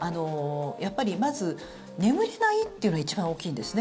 やっぱりまず眠れないというのは一番大きいんですね。